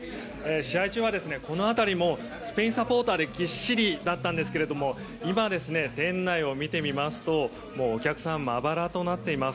試合中は、この辺りもスペインサポーターでぎっしりだったんですけど今、店内を見てみますとお客さんまばらとなっています。